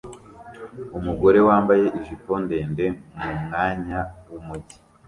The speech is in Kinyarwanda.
Umugore wambaye ijipo ndende mumwanya wumujyi